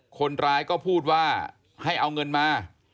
คนร้ายก็พูดว่าให้เอาเงินมา